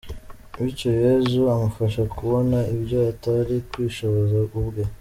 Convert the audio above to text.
Bityo Yezu amufasha kubona ibyo atari kwishoboza ubwe.